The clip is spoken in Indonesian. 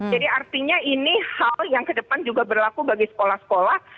jadi artinya ini hal yang kedepan juga berlaku bagi sekolah sekolah